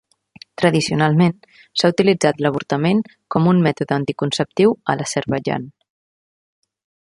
Tradicionalment, s'ha utilitzat l'avortament com un mètode anticonceptiu a l'Azerbaidjan.